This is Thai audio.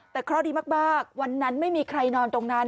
แต่เคราะห์ดีมากวันนั้นไม่มีใครนอนตรงนั้น